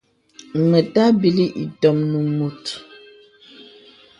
Mə tàbìlī itōm nə mùt.